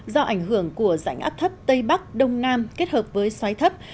do ảnh hưởng của rãnh áp thấp tây bắc đông nam kết hợp với xoáy thấp